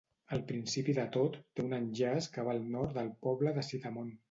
Al principi de tot, té un enllaç que va al nord del poble de Sidamon.